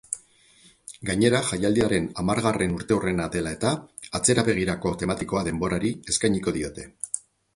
Gainera, jaialdiaren harmargarren urteurrena dela eta, atzerabegirako tematikoa denborari eskainiko diote.